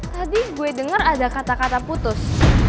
tadi gue dengar ada kata kata putus